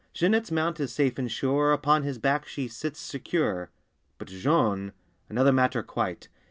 Jeanette's mount is safe and sure, Upon his back she sits secure. But Jean—another matter, quite!